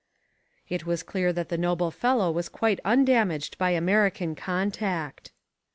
It was clear that the noble fellow was quite undamaged by American contact.